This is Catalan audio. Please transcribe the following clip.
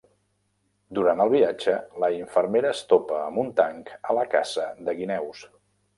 Durant el viatge, la infermera es topa amb un tanc a la caça de guineus.